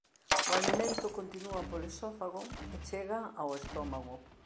O alimento continúa polo esófago e chega ao estómago.